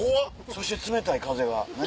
そして冷たい風が何？